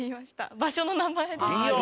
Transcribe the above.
場所の名前です。